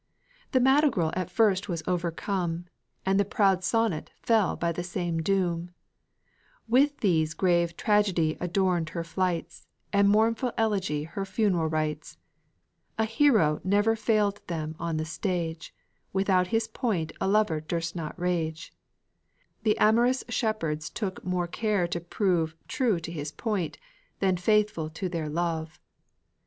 The Madrigal at first was overcome, And the proud Sonnet fell by the same doom; With these grave Tragedy adorned her flights, And mournful Elegy her funeral rites, A hero never failed them on the stage: Without his point a lover durst not rage; The amorous shepherds took more care to prove True to his point, than faithful to their love.